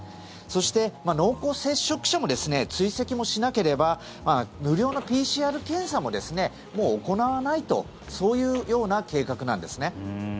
そして、濃厚接触者も追跡もしなければ無料のＰＣＲ検査ももう行わないとそういうような計画なんですね。